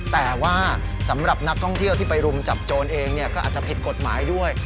แต่ว่าสำหรับนักท่องเที่ยวที่ไปรุมจับโจรเองก็อาจจะผิดกฎหมายด้วย